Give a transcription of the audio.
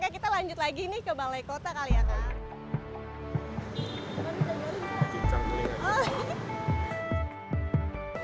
kita lanjut lagi nih ke balai kota kali ya kang